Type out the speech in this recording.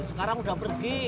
sekarang udah pergi